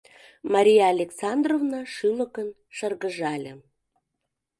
Мария Александровна шӱлыкын шыргыжале.